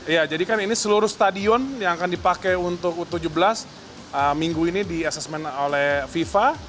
iya jadikan ini seluruh stadion yang akan dipakai untuk u tujuh belas minggu ini diasesmen oleh fifa